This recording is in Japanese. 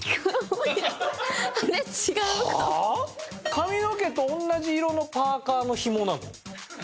髪の毛と同じ色のパーカのひもなの？